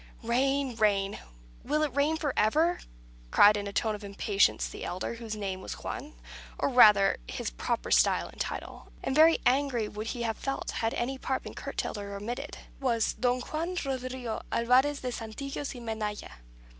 "Rain rain! Will it rain for ever?" cried, in a tone of impatience, the elder, whose name was Juan; or rather, his proper style and title (and very angry would he have felt had any part been curtailed or omitted) was Don Juan Rodrigo Alvarez de Santillanos y Menaya.